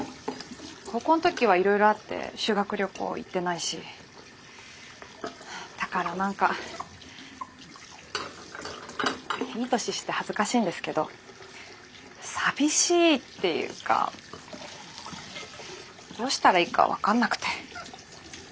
高校の時はいろいろあって修学旅行行ってないしだから何かいい年して恥ずかしいんですけど寂しいっていうかどうしたらいいか分かんなくて。